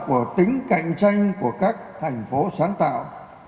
của tính cạnh tranh của các thành phố sáng tạo